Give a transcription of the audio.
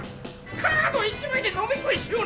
カード１枚で飲み食いしよう